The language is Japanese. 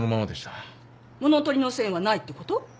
物取りの線はないってこと？